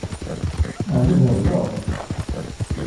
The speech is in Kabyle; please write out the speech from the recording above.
Ɛni thebleḍ?